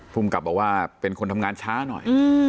ภูมิกับบอกว่าเป็นคนทำงานช้าหน่อย